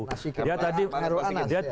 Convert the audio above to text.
mas iker pak heru anas ya